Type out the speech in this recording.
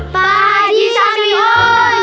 pak haji samion